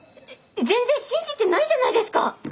全然信じてないじゃないですか！